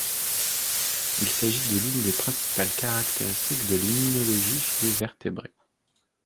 Il s'agit de l'une des principales caractéristiques de l'immunologie chez vertébrés.